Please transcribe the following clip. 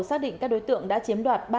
xác định các đối tượng đã chiếm đoạt